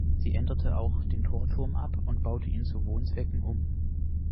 Sie änderte auch den Torturm ab und baute ihn zu Wohnzwecken um.